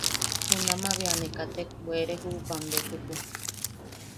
Junamaʼa bea ne katek bwere juʼupam betuku.